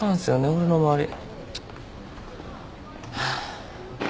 俺の周り。